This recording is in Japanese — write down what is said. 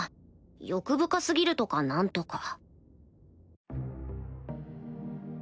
欲深過ぎるとか何とか